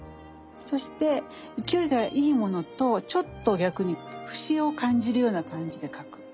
そして勢いがいいものとちょっと逆に節を感じるような感じで描く。